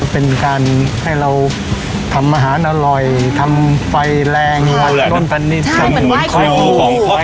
เป็นการให้เราทำอาหารอร่อยทำไฟแรงอย่างนี้ใช่เหมือนไหว้ครูของครูอะไรอย่างเงี้ยเนอะ